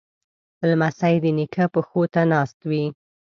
لمسی د نیکه پښو ته ناست وي.